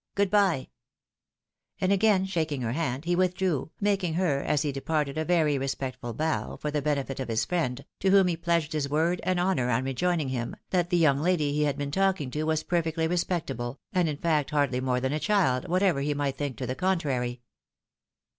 Good bye !" And again shaking her hand, he withdrew, making her, as he de parted, a very respectful bow, for the benefit of his friend, to whom. he pledged his word and honour, on rejoining him, that tlie young lady he had been talking to was perfectly respectable, and in fact hardly more than a child, whatever he might think to the contrary.